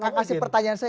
kak kasih pertanyaan saya